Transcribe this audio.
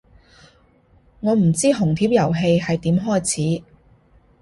我唔知紅帖遊戲係點開始